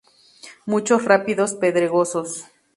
Muchos rápidos pedregosos.